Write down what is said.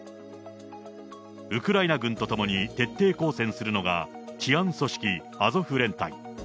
ウクライナ軍と共に徹底抗戦するのが、治安組織、アゾフ連隊。